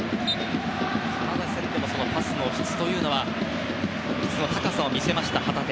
カナダ戦でもパスの質の高さを見せました旗手。